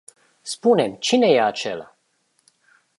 Spune-mi, cine e acela?